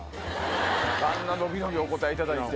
あんな伸び伸びお答えいただいて。